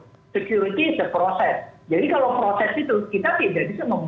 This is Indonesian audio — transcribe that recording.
pertama kita selalu mengevaluasi dan selalu menyesuaikan diri dengan ancaman